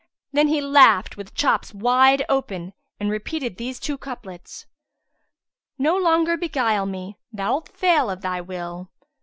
Then he laughed with chops wide open and repeated these two couplets, "No longer beguile me, * Thou'lt fail of thy will!